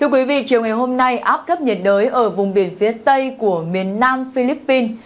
chiều ngày hôm nay áp thấp nhiệt đới ở vùng biển phía tây của miền nam philippines